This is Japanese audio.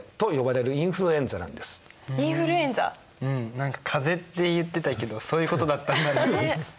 何か「かぜ」って言ってたけどそういうことだったんだね。ね。